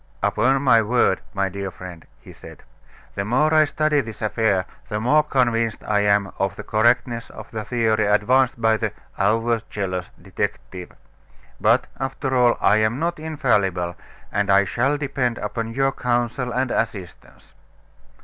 "Upon my word, my dear friend," he said, "the more I study this affair, the more convinced I am of the correctness of the theory advanced by the 'overzealous' detective. But, after all, I am not infallible, and I shall depend upon your counsel and assistance."